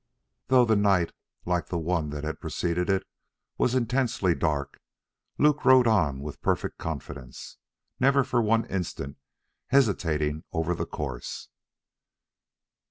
Though the night, like the one that had preceded it, was intensely dark, Luke rode on with perfect confidence, never for one instant hesitating over the course.